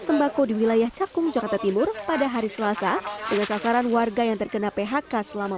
sembako di wilayah cakung jakarta timur pada hari selasa dengan sasaran warga yang terkena phk selama